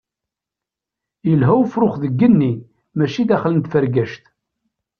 Yelha ufrux deg yigenni mačči daxel n tfergact.